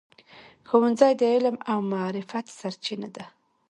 ښوونځی د علم او معرفت سرچینه ده.